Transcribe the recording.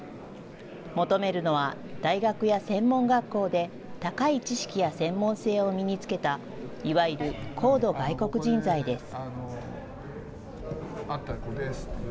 求めるのは、大学や専門学校で高い知識や専門性を身につけた、いわゆる高度外国人材です。